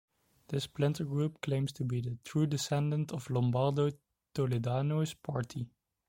This splinter group claims to be the true descendant of Lombardo Toledano's party.